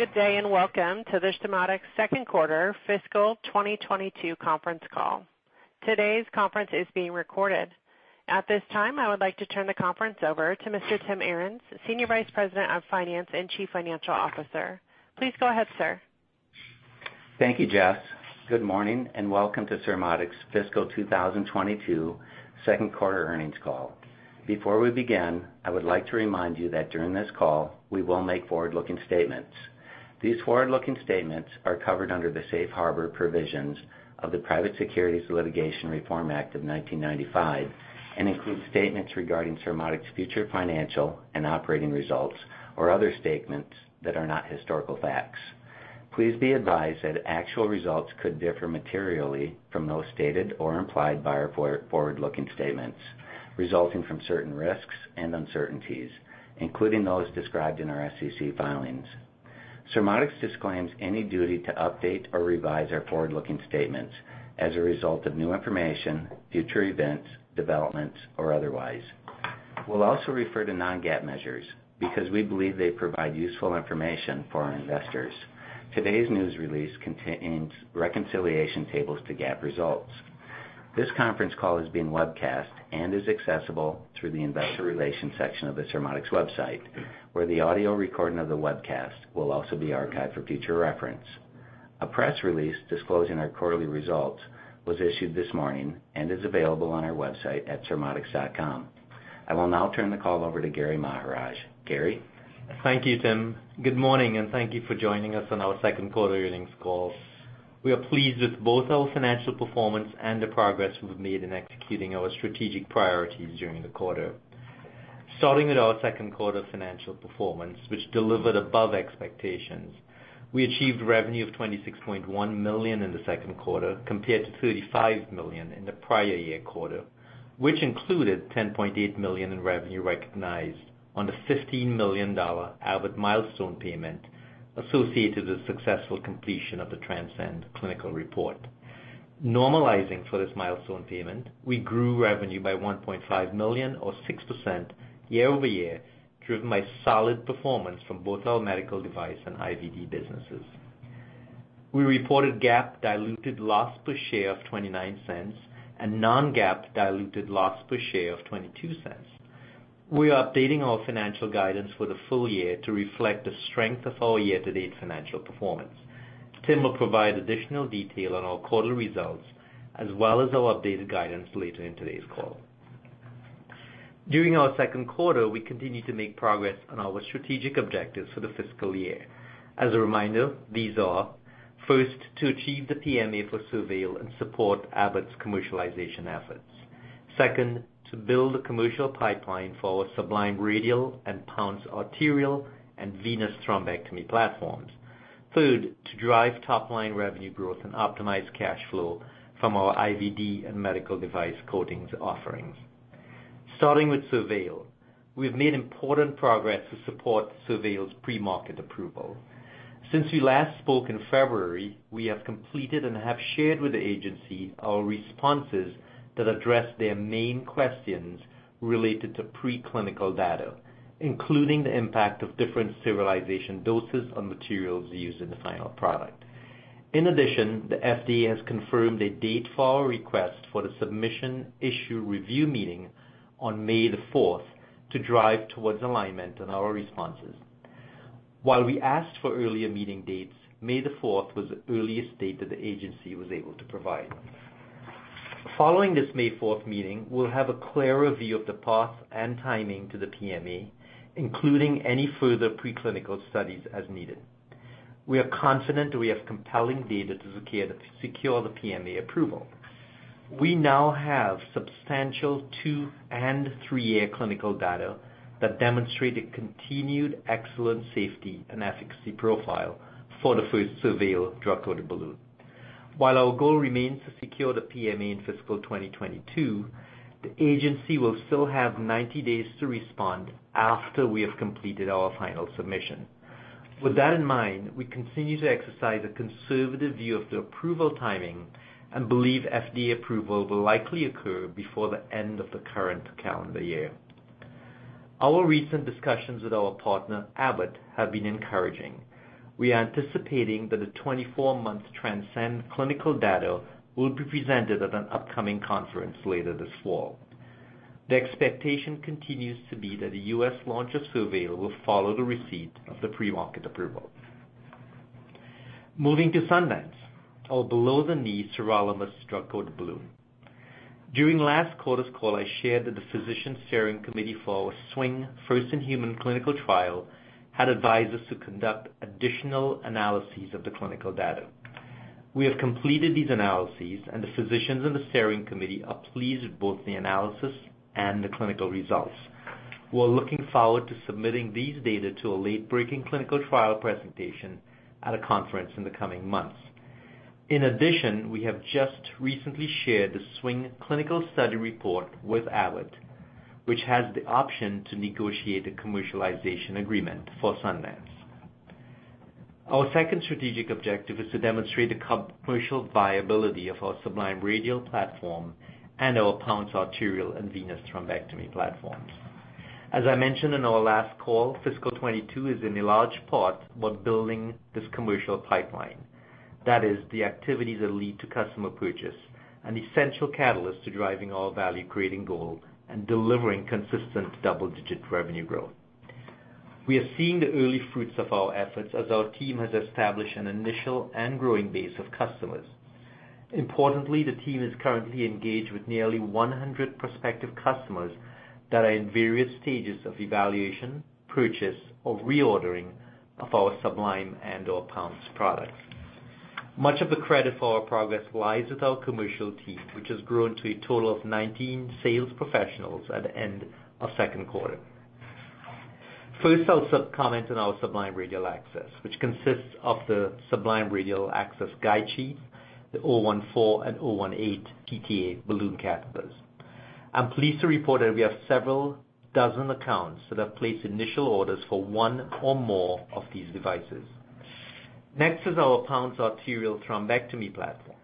Good day, and welcome to the Surmodics second quarter fiscal 2022 conference call. Today's conference is being recorded. At this time, I would like to turn the conference over to Mr. Tim Arens, Senior Vice President of Finance and Chief Financial Officer. Please go ahead, sir. Thank you, Jazz. Good morning, and welcome to Surmodics fiscal 2022 second-quarter earnings call. Before we begin, I would like to remind you that during this call, we will make forward-looking statements. These forward-looking statements are covered under the safe harbor provisions of the Private Securities Litigation Reform Act of 1995 and include statements regarding Surmodics' future financial and operating results or other statements that are not historical facts. Please be advised that actual results could differ materially from those stated or implied by our forward-looking statements, resulting from certain risks and uncertainties, including those described in our SEC filings. Surmodics disclaims any duty to update or revise our forward-looking statements as a result of new information, future events, developments, or otherwise. We'll also refer to non-GAAP measures because we believe they provide useful information for our investors. Today's news release contains reconciliation tables to GAAP results. This conference call is being webcast and is accessible through the investor relations section of the Surmodics website, where the audio recording of the webcast will also be archived for future reference. A press release disclosing our quarterly results was issued this morning and is available on our website at surmodics.com. I will now turn the call over to Gary Maharaj. Gary? Thank you, Tim. Good morning, and thank you for joining us on our second-quarter earnings call. We are pleased with both our financial performance and the progress we've made in executing our strategic priorities during the quarter. Starting with our second-quarter financial performance, which delivered above expectations. We achieved revenue of $26.1 million in the second quarter compared to $35 million in the prior-year quarter, which included $10.8 million in revenue recognized on the $15 million Abbott milestone payment associated with successful completion of the TRANSCEND clinical trial. Normalizing for this milestone payment, we grew revenue by $1.5 million or 6% year-over-year, driven by solid performance from both our medical device and IVD businesses. We reported GAAP diluted loss per share of $0.29 and non-GAAP diluted loss per share of $0.22. We are updating our financial guidance for the full year to reflect the strength of our year-to-date financial performance. Tim will provide additional detail on our quarterly results as well as our updated guidance later in today's call. During our second quarter, we continued to make progress on our strategic objectives for the fiscal year. As a reminder, these are, first, to achieve the PMA for SurVeil and support Abbott's commercialization efforts. Second, to build a commercial pipeline for our Sublime Radial and Pounce arterial and venous thrombectomy platforms. Third, to drive top-line revenue growth and optimize cash flow from our IVD and medical device coatings offerings. Starting with SurVeil, we have made important progress to support SurVeil's premarket approval. Since we last spoke in February, we have completed and have shared with the agency our responses that address their main questions related to preclinical data, including the impact of different sterilization doses on materials used in the final product. In addition, the FDA has confirmed a date for our request for the Submission Issue Meeting on May 4th to drive towards alignment on our responses. While we asked for earlier meeting dates, May 4th was the earliest date that the agency was able to provide. Following this May 4th meeting, we'll have a clearer view of the path and timing to the PMA, including any further preclinical studies as needed. We are confident we have compelling data to secure the PMA approval. We now have substantial two- and three-year clinical data that demonstrate a continued excellent safety and efficacy profile for the first SurVeil drug-coated balloon. While our goal remains to secure the PMA in fiscal 2022, the agency will still have 90 days to respond after we have completed our final submission. With that in mind, we continue to exercise a conservative view of the approval timing and believe FDA approval will likely occur before the end of the current calendar year. Our recent discussions with our partner, Abbott, have been encouraging. We are anticipating that the 24-month TRANSCEND clinical data will be presented at an upcoming conference later this fall. The expectation continues to be that the U.S. launch of SurVeil will follow the receipt of the premarket approval. Moving to Sundance, our below-the-knee sirolimus drug-coated balloon. During last quarter's call, I shared that the Physician Steering Committee for our SWING first-in-human clinical trial had advised us to conduct additional analyses of the clinical data. We have completed these analyses, and the physicians on the Steering Committee are pleased with both the analysis and the clinical results. We're looking forward to submitting these data to a late-breaking clinical trial presentation at a conference in the coming months. In addition, we have just recently shared the SWING clinical study report with Abbott, which has the option to negotiate a commercialization agreement for Sundance. Our second strategic objective is to demonstrate the commercial viability of our Sublime Radial platform and our Pounce arterial and Pounce Venous thrombectomy platforms. As I mentioned in our last call, fiscal 2022 is in a large part about building this commercial pipeline. That is the activities that lead to customer purchase, an essential catalyst to driving our value-creating goal and delivering consistent double-digit revenue growth. We are seeing the early fruits of our efforts as our team has established an initial and growing base of customers. Importantly, the team is currently engaged with nearly 100 prospective customers that are in various stages of evaluation, purchase or reordering of our Sublime and/or Pounce products. Much of the credit for our progress lies with our commercial team, which has grown to a total of 19 sales professionals at the end of second quarter. First, I'll briefly comment on our Sublime Radial Access, which consists of the Sublime Radial Access guide sheath, the .014 and .018 PTA balloon catheters. I'm pleased to report that we have several dozen accounts that have placed initial orders for one or more of these devices. Next is our Pounce arterial thrombectomy platform.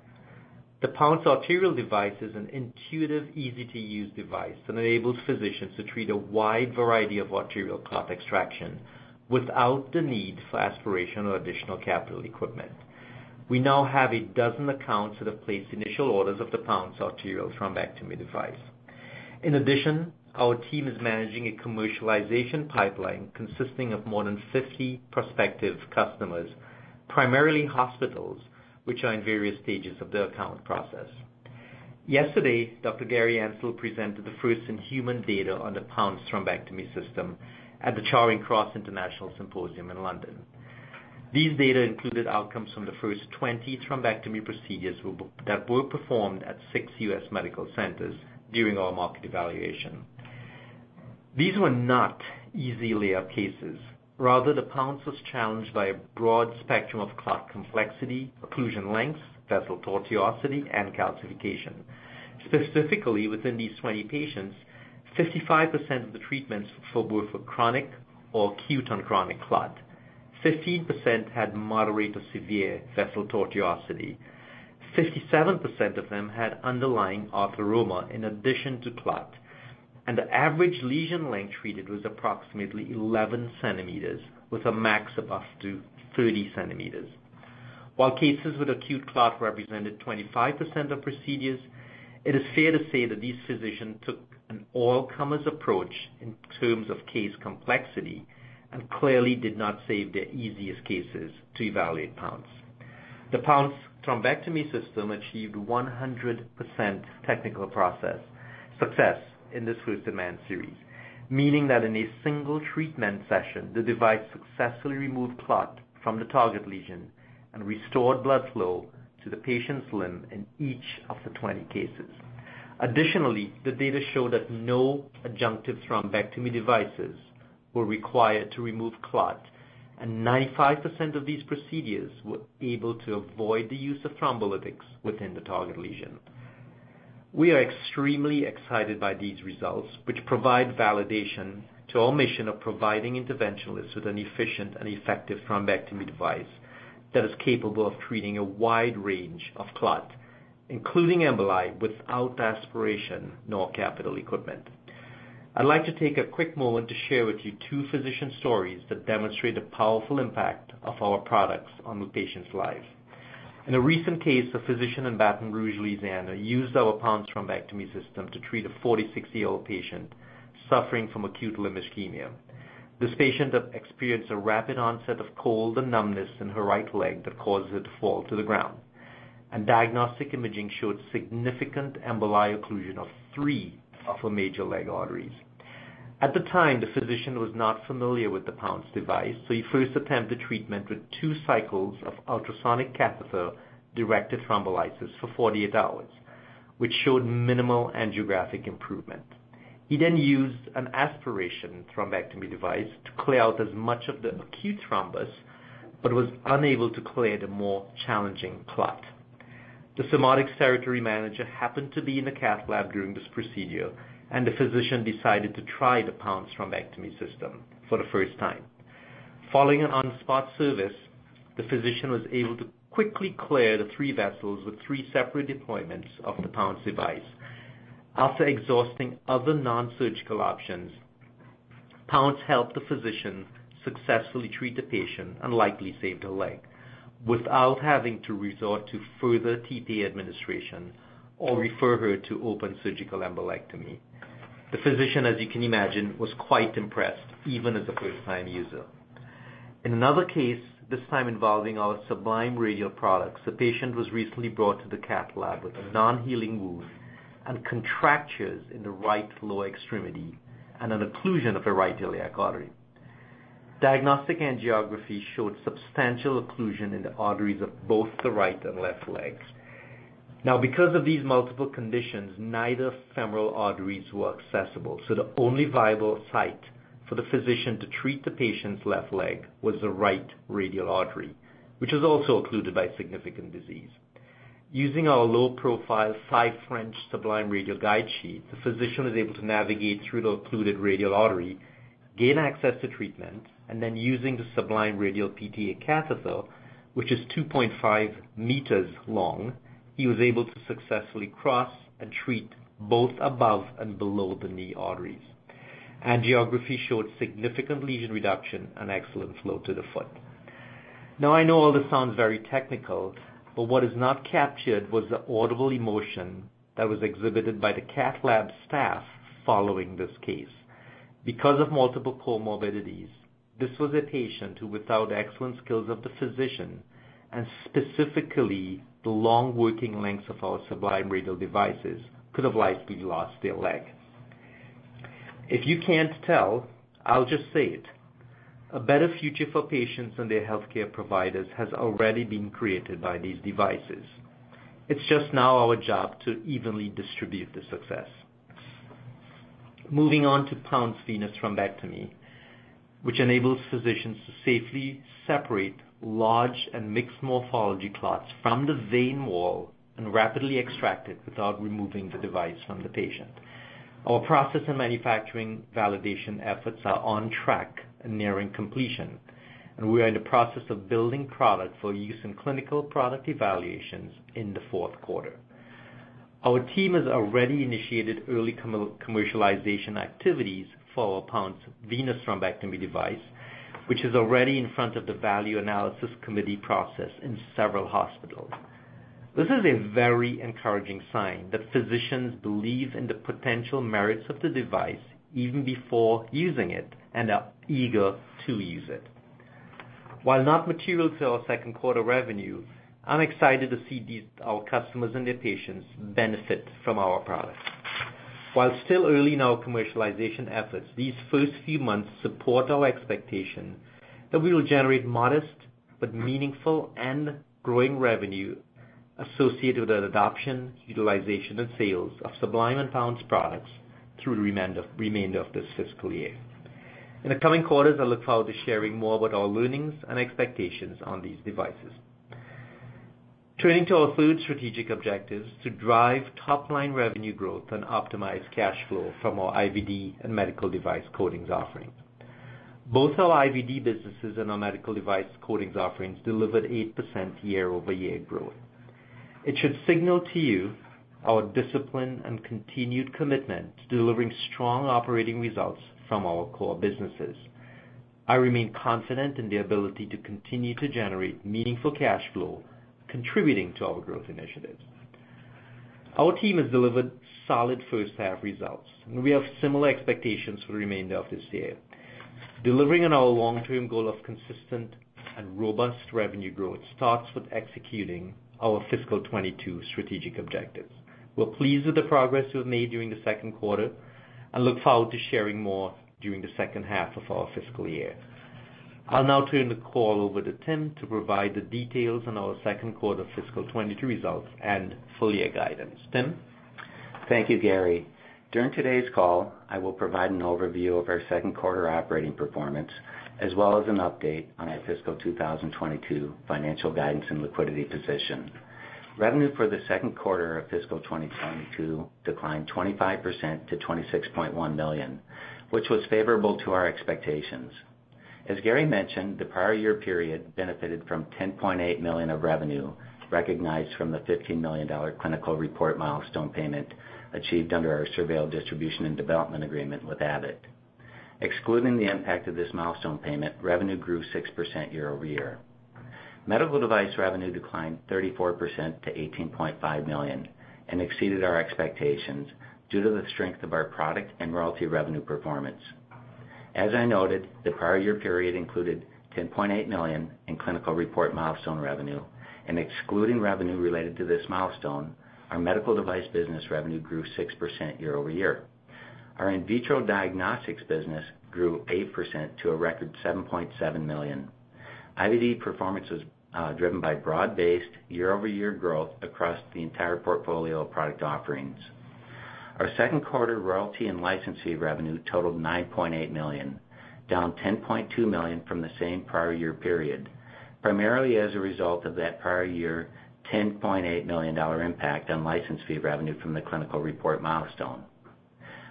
The Pounce arterial device is an intuitive, easy-to-use device that enables physicians to treat a wide variety of arterial clot extraction without the need for aspiration or additional capital equipment. We now have a dozen accounts that have placed initial orders of the Pounce arterial thrombectomy device. In addition, our team is managing a commercialization pipeline consisting of more than 50 prospective customers, primarily hospitals, which are in various stages of their account process. Yesterday, Dr. Gary Ansel presented the first-in-human data on the Pounce thrombectomy system at the Charing Cross International Symposium in London. These data included outcomes from the first 20 thrombectomy procedures that were performed at six U.S. medical centers during our market evaluation. These were not easy layup cases. Rather, the Pounce was challenged by a broad spectrum of clot complexity, occlusion lengths, vessel tortuosity, and calcification. Specifically, within these 20 patients, 55% of the treatments were both for chronic or acute on chronic clot. 15% had moderate to severe vessel tortuosity. 57% of them had underlying atheroma in addition to clot, and the average lesion length treated was approximately 11 cm, with a max of up to 30 cm. While cases with acute clot represented 25% of procedures, it is fair to say that these physicians took an all-comers approach in terms of case complexity and clearly did not save their easiest cases to evaluate Pounce. The Pounce thrombectomy system achieved 100% technical process success in this first-in-man series, meaning that in a single treatment session, the device successfully removed clot from the target lesion and restored blood flow to the patient's limb in each of the 20 cases. Additionally, the data show that no adjunctive thrombectomy devices were required to remove clot, and 95% of these procedures were able to avoid the use of thrombolytics within the target lesion. We are extremely excited by these results, which provide validation to our mission of providing interventionalists with an efficient and effective thrombectomy device that is capable of treating a wide range of clot, including emboli, without aspiration nor capital equipment. I'd like to take a quick moment to share with you two physician stories that demonstrate the powerful impact of our products on the patient's life. In a recent case, a physician in Baton Rouge, Louisiana, used our Pounce thrombectomy system to treat a 46-year-old patient suffering from acute limb ischemia. This patient had experienced a rapid onset of cold and numbness in her right leg that caused her to fall to the ground, and diagnostic imaging showed significant emboli occlusion of three of her major leg arteries. At the time, the physician was not familiar with the Pounce device, so he first attempted treatment with two cycles of ultrasonic catheter-directed thrombolysis for 48 hours, which showed minimal angiographic improvement. He then used an aspiration thrombectomy device to clear out as much of the acute thrombus but was unable to clear the more challenging clot. The Surmodics territory manager happened to be in the cath lab during this procedure, and the physician decided to try the Pounce thrombectomy system for the first time. Following an on-the-spot service, the physician was able to quickly clear the three vessels with three separate deployments of the Pounce device. After exhausting other non-surgical options, Pounce helped the physician successfully treat the patient and likely saved her leg without having to resort to further TPA administration or refer her to open surgical embolectomy. The physician, as you can imagine, was quite impressed, even as a first time user. In another case, this time involving our Sublime Radial products, a patient was recently brought to the cath lab with a non-healing wound and contractures in the right lower extremity and an occlusion of her right iliac artery. Diagnostic angiography showed substantial occlusion in the arteries of both the right and left legs. Now, because of these multiple conditions, neither femoral arteries were accessible, so the only viable site for the physician to treat the patient's left leg was the right radial artery, which was also occluded by significant disease. Using our low-profile five French Sublime Radial guide sheath, the physician was able to navigate through the occluded radial artery, gain access to treatment, and then using the Sublime Radial PTA catheter, which is 2.5 meters long, he was able to successfully cross and treat both above and below the knee arteries. Angiography showed significant lesion reduction and excellent flow to the foot. Now, I know all this sounds very technical, but what is not captured was the audible emotion that was exhibited by the cath lab staff following this case. Because of multiple comorbidities, this was a patient who, without excellent skills of the physician, and specifically the long working lengths of our Sublime Radial devices, could have likely lost their leg. If you can't tell, I'll just say it. A better future for patients and their healthcare providers has already been created by these devices. It's just now our job to evenly distribute the success. Moving on to Pounce Venous thrombectomy, which enables physicians to safely separate large and mixed morphology clots from the vein wall and rapidly extract it without removing the device from the patient. Our process and manufacturing validation efforts are on track and nearing completion, and we are in the process of building product for use in clinical product evaluations in the fourth quarter. Our team has already initiated early commercialization activities for our Pounce Venous thrombectomy device, which is already in front of the value analysis committee process in several hospitals. This is a very encouraging sign that physicians believe in the potential merits of the device even before using it and are eager to use it. While not material to our second quarter revenue, I'm excited to see our customers and their patients benefit from our products. While still early in our commercialization efforts, these first few months support our expectation that we will generate modest but meaningful and growing revenue associated with the adoption, utilization, and sales of Sublime and Pounce products through the remainder of this fiscal year. In the coming quarters, I look forward to sharing more about our learnings and expectations on these devices. Turning to our third strategic objectives, to drive top-line revenue growth and optimize cash flow from our IVD and medical device coatings offerings. Both our IVD businesses and our medical device coatings offerings delivered 8% year-over-year growth. It should signal to you our discipline and continued commitment to delivering strong operating results from our core businesses. I remain confident in the ability to continue to generate meaningful cash flow contributing to our growth initiatives. Our team has delivered solid first-half results, and we have similar expectations for the remainder of this year. Delivering on our long-term goal of consistent and robust revenue growth starts with executing our fiscal 2022 strategic objectives. We're pleased with the progress we've made during the second quarter and look forward to sharing more during the second half of our fiscal year. I'll now turn the call over to Tim to provide the details on our second-quarter fiscal 2022 results and full-year guidance. Tim? Thank you, Gary. During today's call, I will provide an overview of our second-quarter operating performance, as well as an update on our fiscal 2022 financial guidance and liquidity position. Revenue for the second quarter of fiscal 2022 declined 25% to $26.1 million, which was favorable to our expectations. As Gary mentioned, the prior-year period benefited from $10.8 million of revenue recognized from the $15 million clinical report milestone payment achieved under our SurVeil distribution and development agreement with Abbott. Excluding the impact of this milestone payment, revenue grew 6% year-over-year. Medical device revenue declined 34% to $18.5 million and exceeded our expectations due to the strength of our product and royalty revenue performance. As I noted, the prior-year period included $10.8 million in clinical report milestone revenue, and excluding revenue related to this milestone, our medical device business revenue grew 6% year-over-year. Our in vitro diagnostics business grew 8% to a record $7.7 million. IVD performance was driven by broad-based year-over-year growth across the entire portfolio of product offerings. Our second-quarter royalty and license fee revenue totaled $9.8 million, down $10.2 million from the same prior-year period, primarily as a result of that prior year $10.8 million impact on license fee revenue from the clinical report milestone.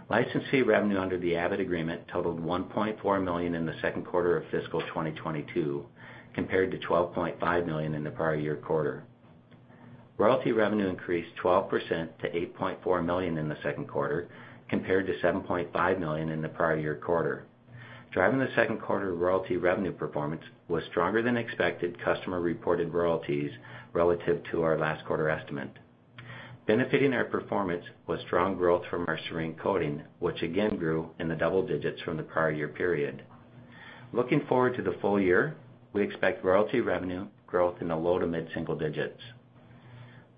License fee revenue under the Abbott agreement totaled $1.4 million in the second quarter of fiscal 2022, compared to $12.5 million in the prior-year quarter. Royalty revenue increased 12% to $8.4 million in the second quarter, compared to $7.5 million in the prior-year quarter. Driving the second-quarter royalty revenue performance was stronger than expected customer-reported royalties relative to our last-quarter estimate. Benefiting our performance was strong growth from our Serene coating, which again grew in the double digits from the prior-year period. Looking forward to the full year, we expect royalty revenue growth in the low to mid-single digits.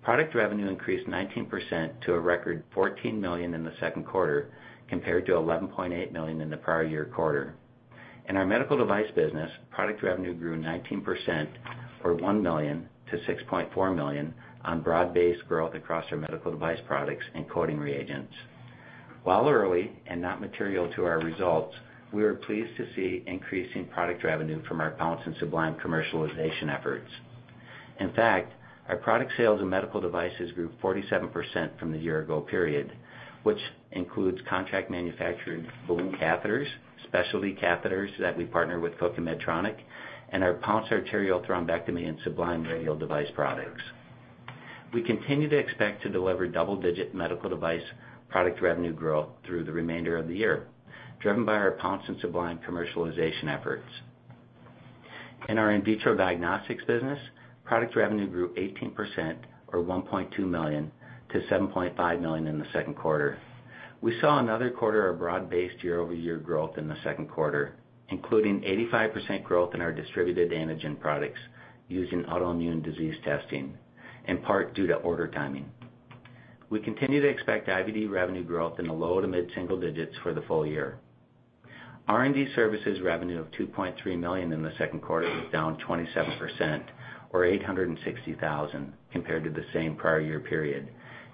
Product revenue increased 19% to a record $14 million in the second quarter, compared to $11.8 million in the prior-year quarter. In our medical device business, product revenue grew 19% from $1 million to $6.4 million on broad-based growth across our medical device products and coating reagents. While early and not material to our results, we are pleased to see increasing product revenue from our Pounce and Sublime commercialization efforts. In fact, our product sales in medical devices grew 47% from the year-ago period, which includes contract manufactured balloon catheters, specialty catheters that we partner with Cook Medical, and our Pounce arterial thrombectomy and Sublime Radial device products. We continue to expect to deliver double-digit medical device product revenue growth through the remainder of the year, driven by our Pounce and Sublime commercialization efforts. In our in vitro diagnostics business, product revenue grew 18% or $1.2 million to $7.5 million in the second quarter. We saw another quarter of broad-based year-over-year growth in the second quarter, including 85% growth in our distributed antigen products using autoimmune disease testing, in part due to order timing. We continue to expect IVD revenue growth in the low- to mid-single digits for the full year. R&D services revenue of $2.3 million in the second quarter was down 27% or $860,000 compared to the same prior-year period,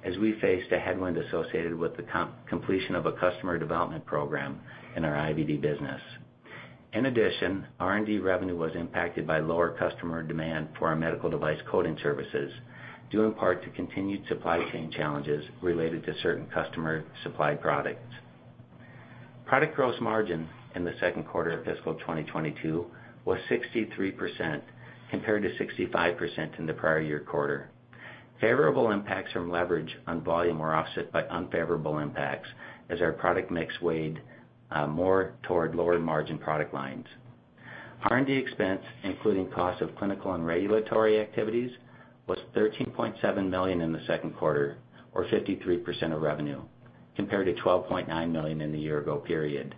as we faced a headwind associated with the completion of a customer development program in our IVD business. In addition, R&D revenue was impacted by lower customer demand for our medical device coating services, due in part to continued supply chain challenges related to certain customer-supplied products. Product gross margin in the second quarter of fiscal 2022 was 63% compared to 65% in the prior-year quarter. Favorable impacts from leverage on volume were offset by unfavorable impacts as our product mix weighed more toward lower-margin product lines. R&D expense, including cost of clinical and regulatory activities, was $13.7 million in the second quarter or 53% of revenue, compared to $12.9 million in the year-ago period.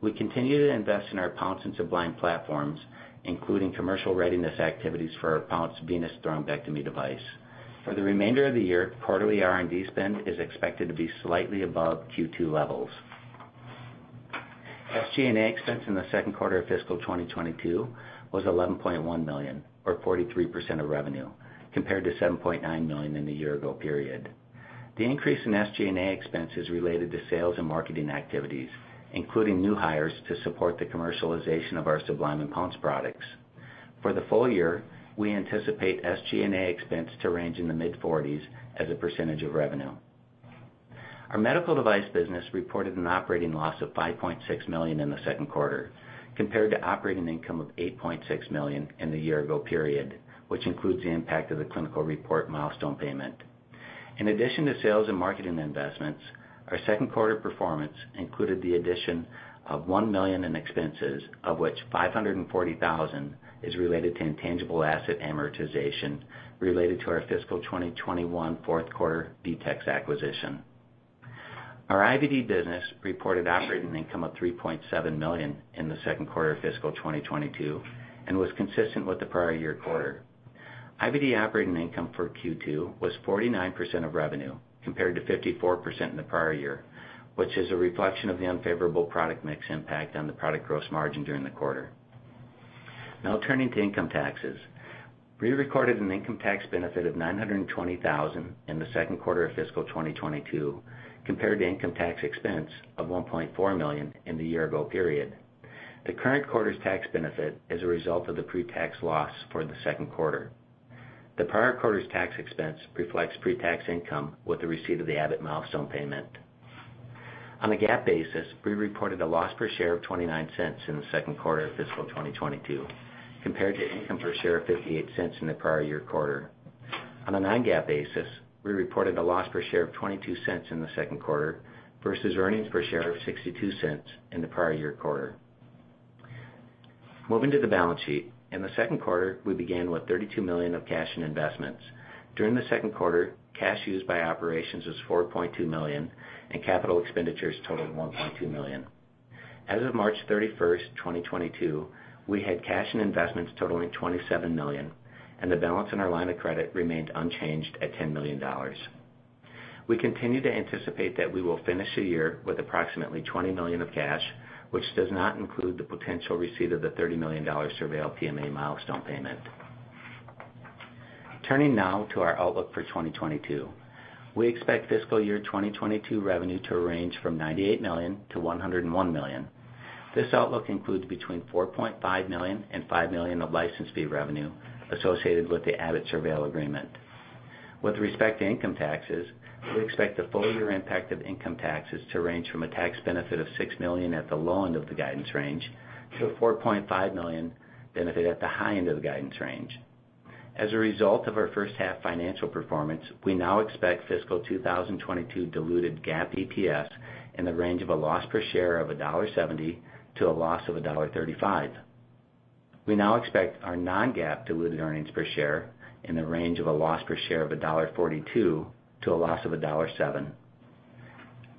We continue to invest in our Pounce and Sublime platforms, including commercial readiness activities for our Pounce Venous thrombectomy device. For the remainder of the year, quarterly R&D spend is expected to be slightly above Q2 levels. SG&A expense in the second quarter of fiscal 2022 was $11.1 million or 43% of revenue, compared to $7.9 million in the year-ago period. The increase in SG&A expense is related to sales and marketing activities, including new hires to support the commercialization of our Sublime and Pounce products. For the full year, we anticipate SG&A expense to range in the mid-40s% of revenue. Our medical device business reported an operating loss of $5.6 million in the second quarter, compared to operating income of $8.6 million in the year-ago period, which includes the impact of the clinical report milestone payment. In addition to sales and marketing investments, our second-quarter performance included the addition of $1 million in expenses, of which $540,000 is related to intangible asset amortization related to our fiscal 2021 fourth-quarter Vetex acquisition. Our IVD business reported operating income of $3.7 million in the second quarter of fiscal 2022 and was consistent with the prior-year quarter. IVD operating income for Q2 was 49% of revenue, compared to 54% in the prior year, which is a reflection of the unfavorable product mix impact on the product gross margin during the quarter. Now turning to income taxes. We recorded an income tax benefit of $920,000 in the second quarter of fiscal 2022, compared to income tax expense of $1.4 million in the year ago period. The current quarter's tax benefit is a result of the pre-tax loss for the second quarter. The prior quarter's tax expense reflects pre-tax income with the receipt of the Abbott milestone payment. On a GAAP basis, we reported a loss per share of $0.29 in the second quarter of fiscal 2022, compared to income per share of $0.58 in the prior-year quarter. On a non-GAAP basis, we reported a loss per share of $0.22 in the second quarter versus earnings per share of $0.62 in the prior-year quarter. Moving to the balance sheet. In the second quarter, we began with $32 million of cash and investments. During the second quarter, cash used by operations was $4.2 million, and capital expenditures totaled $1.2 million. As of March 31, 2022, we had cash and investments totaling $27 million, and the balance in our line of credit remained unchanged at $10 million. We continue to anticipate that we will finish the year with approximately $20 million of cash, which does not include the potential receipt of the $30 million SurVeil PMA milestone payment. Turning now to our outlook for 2022. We expect fiscal year 2022 revenue to range from $98 million-$101 million. This outlook includes between $4.5 million and $5 million of license fee revenue associated with the Abbott SurVeil agreement. With respect to income taxes, we expect the full-year impact of income taxes to range from a tax benefit of $6 million at the low end of the guidance range to a $4.5 million benefit at the high end of the guidance range. As a result of our first half financial performance, we now expect fiscal 2022 diluted GAAP EPS in the range of a loss per share of $1.70 to a loss of $1.35. We now expect our non-GAAP diluted earnings per share in the range of a loss per share of $1.42 to a loss of $1.07.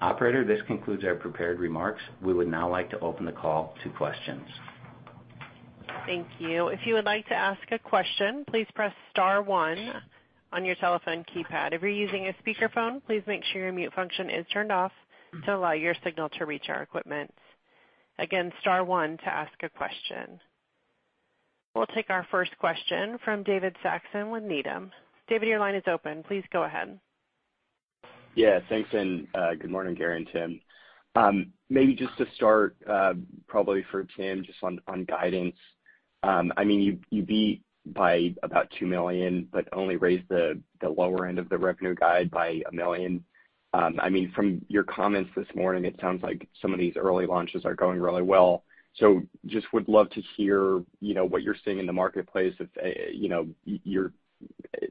Operator, this concludes our prepared remarks. We would now like to open the call to questions. Thank you. If you would like to ask a question, please press star one on your telephone keypad. If you're using a speakerphone, please make sure your mute function is turned off to allow your signal to reach our equipment. Again, star one to ask a question. We'll take our first question from David Saxon with Needham. David, your line is open. Please go ahead. Yeah, thanks. Good morning, Gary and Tim. Maybe just to start, probably for Tim, just on guidance. I mean, you beat by about $2 million, but only raised the lower end of the revenue guide by $1 million. I mean, from your comments this morning, it sounds like some of these early launches are going really well. Just would love to hear, you know, what you're seeing in the marketplace. If you know,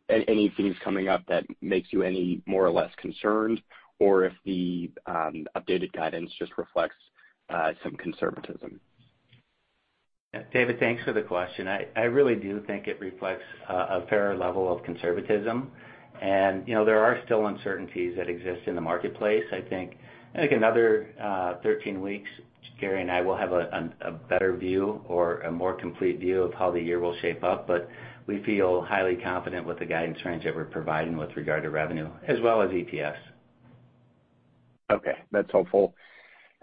any themes coming up that makes you any more or less concerned, or if the updated guidance just reflects some conservatism. David, thanks for the question. I really do think it reflects a fair level of conservatism. You know, there are still uncertainties that exist in the marketplace. I think another 13 weeks, Gary and I will have a better view or a more complete view of how the year will shape up. We feel highly confident with the guidance range that we're providing with regard to revenue as well as EPS. Okay, that's helpful.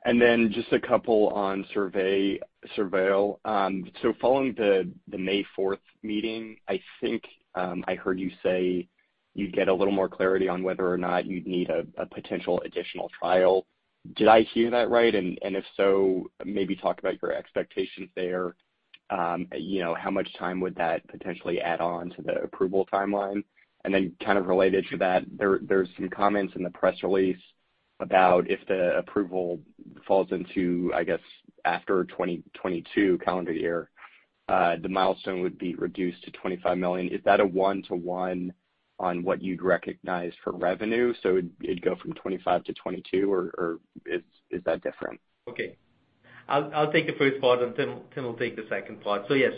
Then just a couple on SurVeil. So following the May 4th meeting, I think I heard you say you'd get a little more clarity on whether or not you'd need a potential additional trial. Did I hear that right? If so, maybe talk about your expectations there. You know, how much time would that potentially add on to the approval timeline? Then kind of related to that, there's some comments in the press release about if the approval falls into, I guess, after 2022 calendar year, the milestone would be reduced to $25 million. Is that a one-to-one on what you'd recognize for revenue? So it'd go from $25 million to $22 million, or is that different? Okay. I'll take the first part, and Tim will take the second part. Yes.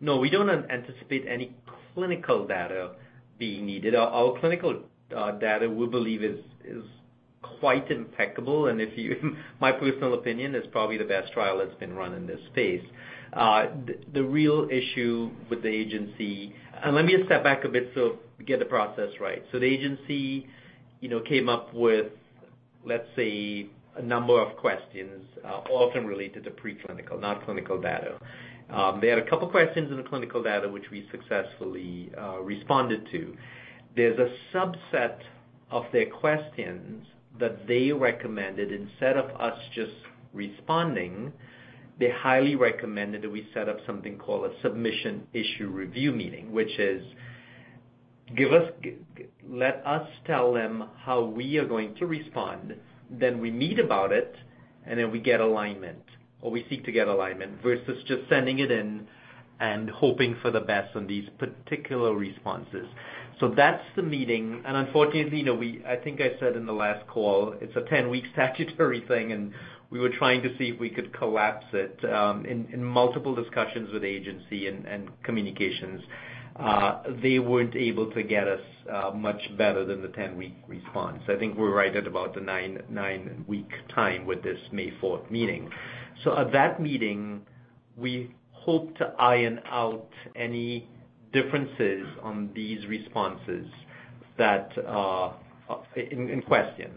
No, we don't anticipate any clinical data being needed. Our clinical data, we believe, is quite impeccable. In my personal opinion is probably the best trial that's been run in this space. The real issue with the agency. Let me just step back a bit so we get the process right. The agency, you know, came up with, let's say, a number of questions, all of them related to preclinical, not clinical data. They had a couple questions in the clinical data which we successfully responded to. There's a subset of their questions that they recommended. Instead of us just responding, they highly recommended that we set up something called a Submission Issue Meeting, which is let us tell them how we are going to respond, then we meet about it, and then we get alignment, or we seek to get alignment, versus just sending it in and hoping for the best on these particular responses. That's the meeting. Unfortunately, you know, I think I said in the last call, it's a 10-week statutory thing, and we were trying to see if we could collapse it. In multiple discussions with the agency and communications, they weren't able to get us much better than the 10-week response. I think we're right at about the nine-week time with this May 4th meeting. At that meeting, we hope to iron out any differences on these responses that in question.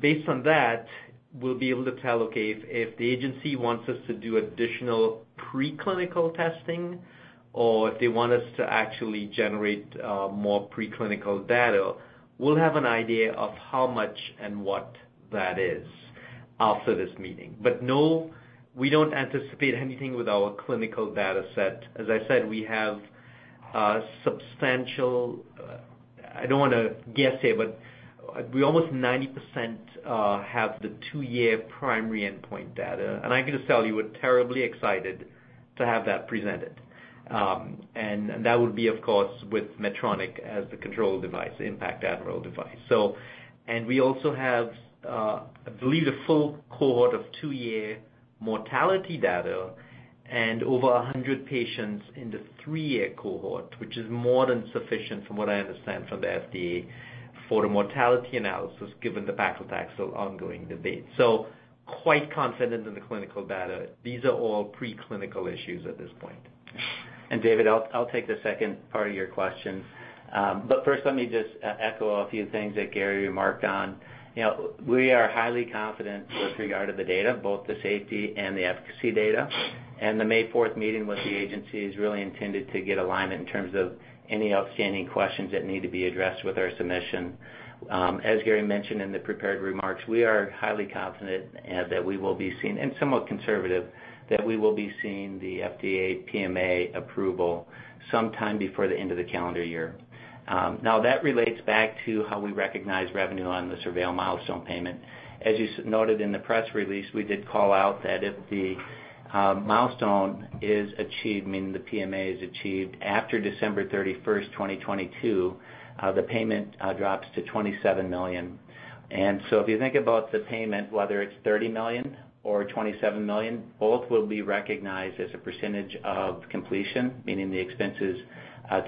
Based on that, we'll be able to tell if the agency wants us to do additional preclinical testing or if they want us to actually generate more preclinical data. We'll have an idea of how much and what that is after this meeting. But no, we don't anticipate anything with our clinical data set. As I said, we have substantial. I don't wanna guess here, but we almost 90% have the two-year primary endpoint data. And I can just tell you, we're terribly excited to have that presented. And that would be, of course, with Medtronic as the control device, the IN.PACT Admiral device. We also have, I believe the full cohort of two-year mortality data and over 100 patients in the three-year cohort, which is more than sufficient from what I understand from the FDA for the mortality analysis given the paclitaxel ongoing debate. Quite confident in the clinical data. These are all preclinical issues at this point. David, I'll take the second part of your question. First, let me just echo a few things that Gary remarked on. You know, we are highly confident with regard to the data, both the safety and the efficacy data. The May 4th meeting with the agency is really intended to get alignment in terms of any outstanding questions that need to be addressed with our submission. As Gary mentioned in the prepared remarks, we are highly confident, and somewhat conservative, that we will be seeing the FDA PMA approval sometime before the end of the calendar year. Now that relates back to how we recognize revenue on the SurVeil milestone payment. As you noted in the press release, we did call out that if the milestone is achieved, meaning the PMA is achieved after December 31, 2022, the payment drops to $27 million. If you think about the payment, whether it's $30 million or $27 million, both will be recognized as a percentage of completion, meaning the expenses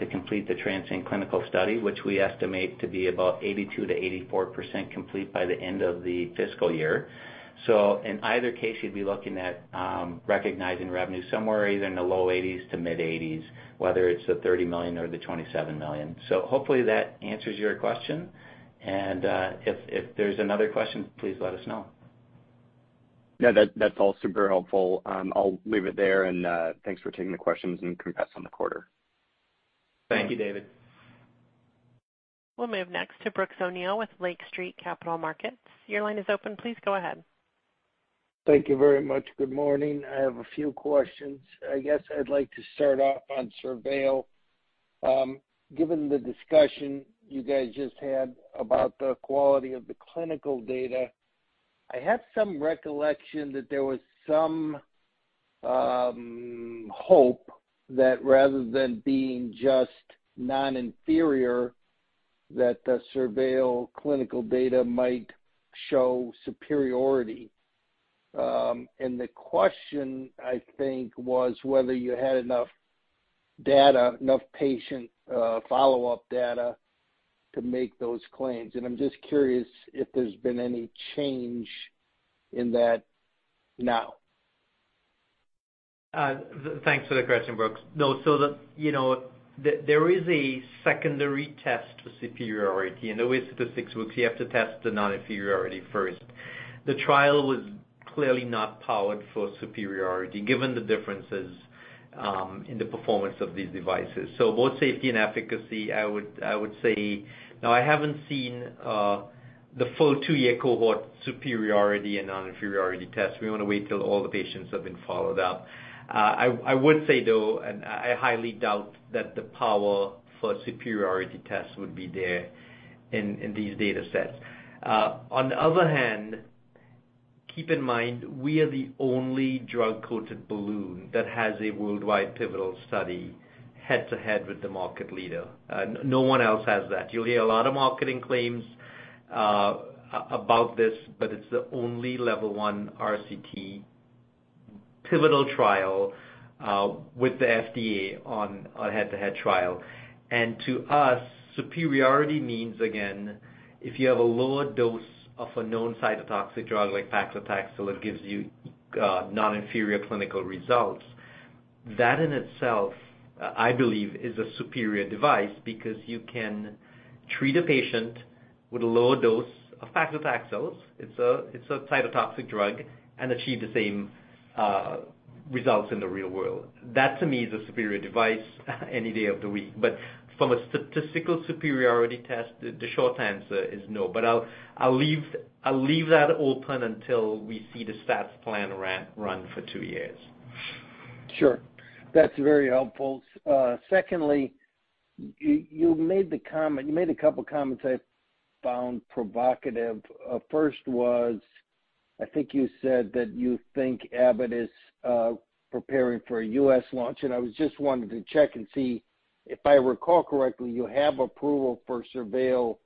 to complete the TRANSCEND clinical study, which we estimate to be about 82%-84% complete by the end of the fiscal year. In either case, you'd be looking at recognizing revenue somewhere either in the low 80s% to mid-80s%, whether it's the $30 million or the $27 million. Hopefully that answers your question. If there's another question, please let us know. No, that's all super helpful. I'll leave it there, and thanks for taking the questions and congrats on the quarter. Thank you, David. We'll move next to Brooks O'Neil with Lake Street Capital Markets. Your line is open. Please go ahead. Thank you very much. Good morning. I have a few questions. I guess I'd like to start off on SurVeil. Given the discussion you guys just had about the quality of the clinical data, I have some recollection that there was some hope that rather than being just non-inferior, that the SurVeil clinical data might show superiority. The question I think was whether you had enough data, enough patient follow-up data to make those claims. I'm just curious if there's been any change in that now. Thanks for the question, Brooks O'Neil. No, you know, there is a secondary test for superiority. At the six-week, you have to test the non-inferiority first. The trial was clearly not powered for superiority given the differences in the performance of these devices. Both safety and efficacy, I would say. Now I haven't seen the full two-year cohort superiority and non-inferiority test. We wanna wait till all the patients have been followed up. I would say though, and I highly doubt that the power for a superiority test would be there in these data sets. On the other hand, keep in mind, we are the only drug-coated balloon that has a worldwide pivotal study head-to-head with the market leader. No one else has that. You'll hear a lot of marketing claims, about this, but it's the only level one RCT pivotal trial, with the FDA on a head-to-head trial. To us, superiority means, again, if you have a lower dose of a known cytotoxic drug like paclitaxel, it gives you non-inferior clinical results. That in itself, I believe, is a superior device because you can treat a patient with a lower dose of paclitaxel, it's a cytotoxic drug, and achieve the same results in the real world. That, to me, is a superior device any day of the week. From a statistical superiority test, the short answer is no. I'll leave that open until we see the stats plan run for two years. Sure. That's very helpful. Secondly, you made a couple comments I found provocative. First was, I think you said that you think Abbott is preparing for a U.S. launch, and I was just wanting to check and see, if I recall correctly, you have approval for SurVeil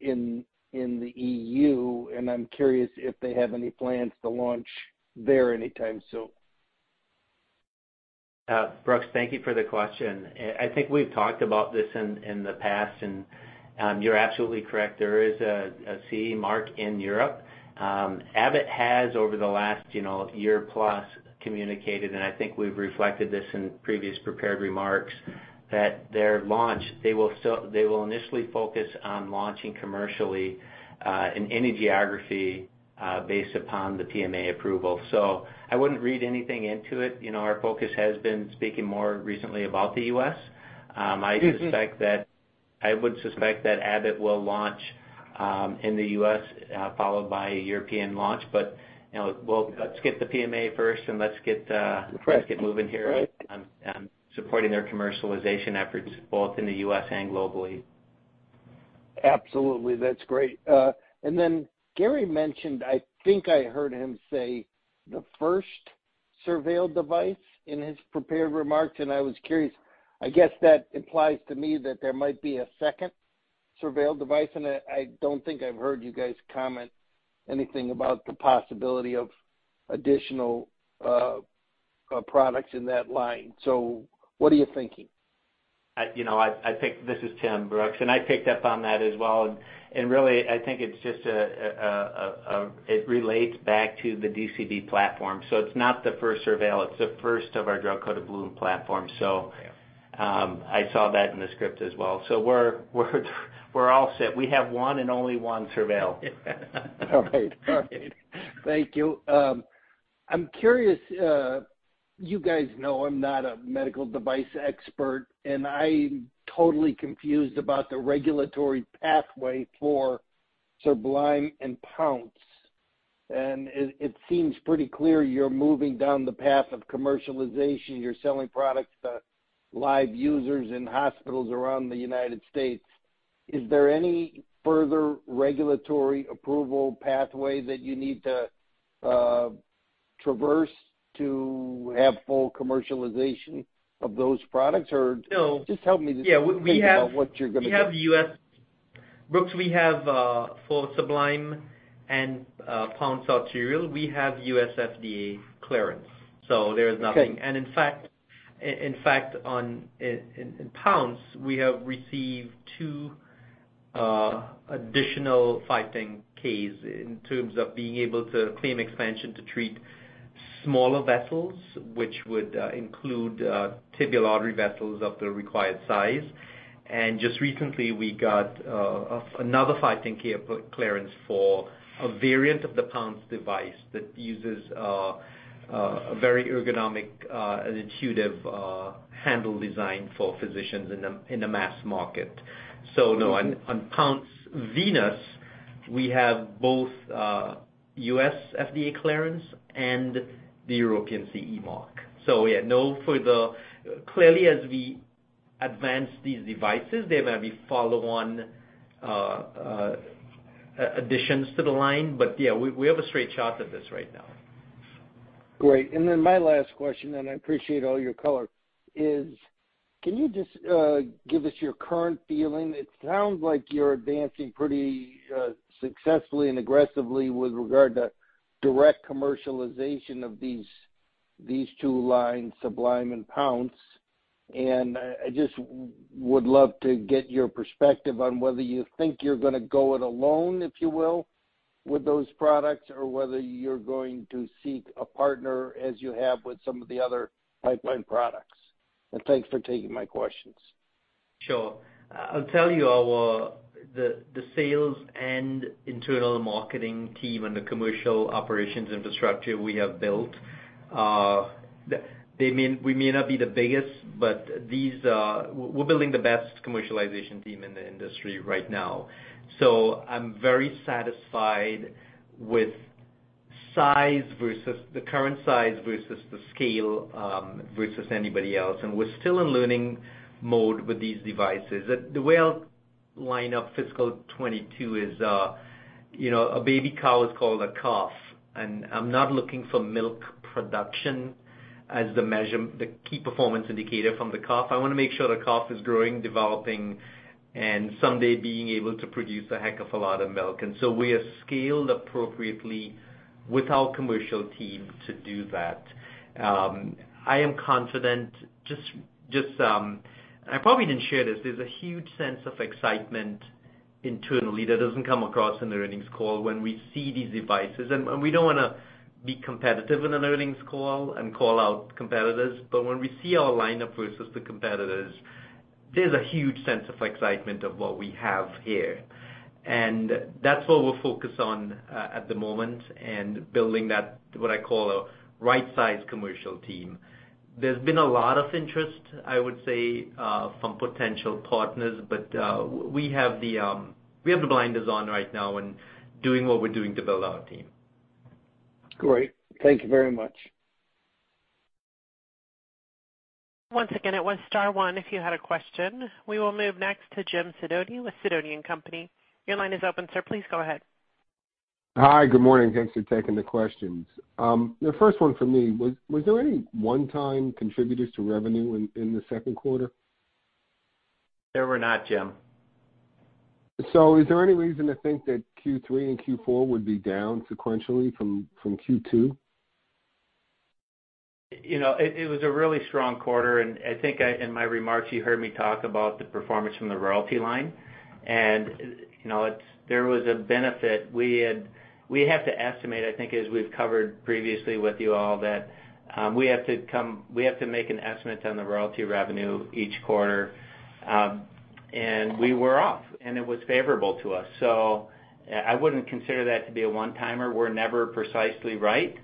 in the EU, and I'm curious if they have any plans to launch there anytime soon. Brooks, thank you for the question. I think we've talked about this in the past, and you're absolutely correct. There is a CE mark in Europe. Abbott has over the last year-plus communicated, and I think we've reflected this in previous prepared remarks, that their launch, they will initially focus on launching commercially in any geography based upon the PMA approval. So I wouldn't read anything into it. You know, our focus has been speaking more recently about the U.S. I would suspect that Abbott will launch in the U.S. followed by a European launch. Let's get the PMA first, and let's get Right Let's get moving here on supporting their commercialization efforts both in the U.S. and globally. Absolutely. That's great. Gary mentioned, I think I heard him say the first SurVeil device in his prepared remarks, and I was curious. I guess that implies to me that there might be a second SurVeil device, and I don't think I've heard you guys comment anything about the possibility of additional products in that line. What are you thinking? You know, I think this is Tim, Brooks, and I picked up on that as well. Really, I think it's just a. It relates back to the DCB platform. It's not the first SurVeil, it's the first of our drug-coated balloon platform. I saw that in the script as well. We're all set. We have one and only one SurVeil. All right. Thank you. I'm curious, you guys know I'm not a medical device expert, and I'm totally confused about the regulatory pathway for Sublime and Pounce. It seems pretty clear you're moving down the path of commercialization. You're selling products to live users in hospitals around the United States. Is there any further regulatory approval pathway that you need to traverse to have full commercialization of those products? Or- No Just help me to think about what you're gonna do. we have for Sublime and Pounce arterial, we have U.S. FDA clearance, so there is nothing. Okay. In fact, on Pounce, we have received two additional 510(k)s in terms of being able to claim expansion to treat smaller vessels, which would include tibial artery vessels of the required size. Just recently, we got another 510(k) clearance for a variant of the Pounce device that uses very ergonomic, intuitive handle design for physicians in a mass market. No, on Pounce Venous, we have both U.S. FDA clearance and the European CE mark. Yeah, no further. Clearly, as we advance these devices, there may be follow-on additions to the line, but yeah, we have a straight shot at this right now. Great. Then my last question, and I appreciate all your color, is can you just give us your current feeling? It sounds like you're advancing pretty successfully and aggressively with regard to direct commercialization of these two lines, Sublime and Pounce. I just would love to get your perspective on whether you think you're gonna go it alone, if you will, with those products or whether you're going to seek a partner as you have with some of the other pipeline products. Thanks for taking my questions. Sure. I'll tell you the sales and internal marketing team and the commercial operations infrastructure we have built. We may not be the biggest, but these. We're building the best commercialization team in the industry right now. I'm very satisfied with size versus the current size versus the scale versus anybody else. We're still in learning mode with these devices. The way I'll line up fiscal 2022 is, you know, a baby cow is called a calf, and I'm not looking for milk production as the key performance indicator from the calf. I wanna make sure the calf is growing, developing, and someday being able to produce a heck of a lot of milk. We have scaled appropriately with our commercial team to do that. I am confident just. I probably didn't share this. There's a huge sense of excitement internally that doesn't come across in the earnings call when we see these devices. We don't wanna be competitive in an earnings call and call out competitors, but when we see our lineup versus the competitors, there's a huge sense of excitement of what we have here. That's what we're focused on at the moment and building that, what I call a right-sized commercial team. There's been a lot of interest, I would say, from potential partners, but we have the blinders on right now and doing what we're doing to build our team. Great. Thank you very much. Once again, it was star one if you had a question. We will move next to Jim Sidoti with Sidoti & Company. Your line is open, sir. Please go ahead. Hi. Good morning. Thanks for taking the questions. The first one for me was there any one-time contributors to revenue in the second quarter? There were not, Jim. Is there any reason to think that Q3 and Q4 would be down sequentially from Q2? You know, it was a really strong quarter, and I think in my remarks, you heard me talk about the performance from the royalty line. You know, there was a benefit. We have to estimate, I think as we've covered previously with you all that, we have to make an estimate on the royalty revenue each quarter. We were off, and it was favorable to us. I wouldn't consider that to be a one-timer. We're never precisely right.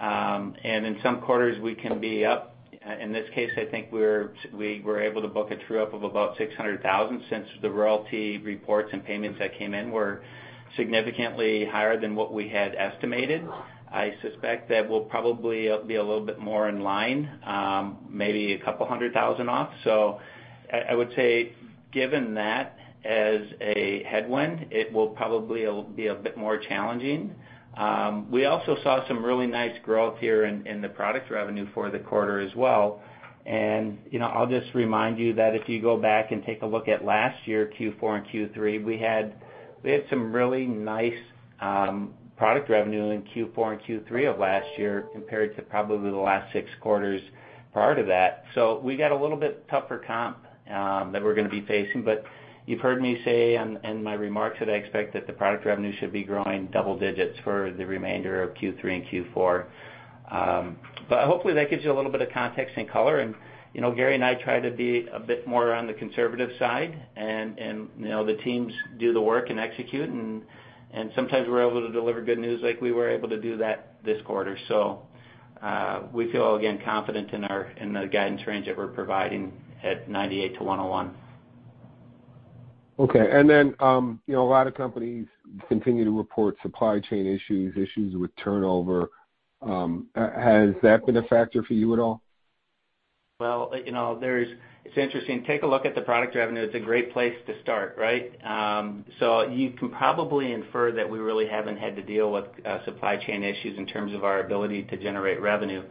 In some quarters, we can be up. In this case, I think we were able to book a true up of about $600,000 since the royalty reports and payments that came in were significantly higher than what we had estimated. I suspect that we'll probably be a little bit more in line, maybe $200,000 off. I would say given that as a headwind, it will probably be a bit more challenging. We also saw some really nice growth here in the product revenue for the quarter as well. You know, I'll just remind you that if you go back and take a look at last year, Q4 and Q3, we had some really nice product revenue in Q4 and Q3 of last year compared to probably the last six quarters prior to that. We got a little bit tougher comp that we're gonna be facing. You've heard me say in my remarks that I expect that the product revenue should be growing double digits for the remainder of Q3 and Q4. Hopefully, that gives you a little bit of context and color and, you know, Gary and I try to be a bit more on the conservative side and, you know, the teams do the work and execute and sometimes we're able to deliver good news like we were able to do that this quarter. We feel, again, confident in the guidance range that we're providing at 98-101. Okay. You know, a lot of companies continue to report supply chain issues with turnover. Has that been a factor for you at all? Well, you know, it's interesting. Take a look at the product revenue. It's a great place to start, right? You can probably infer that we really haven't had to deal with supply chain issues in terms of our ability to generate revenue.